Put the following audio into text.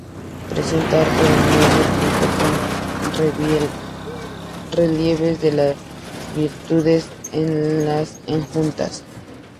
Presenta arco de medio punto con relieves de las Virtudes en las enjutas.